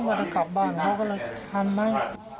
ไม่ได้กลับบ้านเขาก็เลยทำไม่